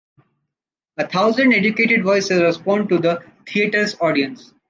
A thousand educated voices responded to the theaters' audience.